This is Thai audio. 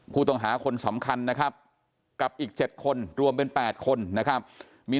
ผู้ต้องหาคนสำคัญนะครับกับอีก๗คนรวมเป็น๘คนนะครับมี